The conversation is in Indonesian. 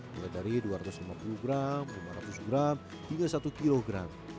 mulai dari dua ratus lima puluh gram lima ratus gram hingga satu kilogram